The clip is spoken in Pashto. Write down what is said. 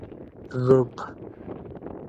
ږوب